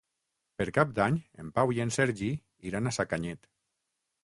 Per Cap d'Any en Pau i en Sergi iran a Sacanyet.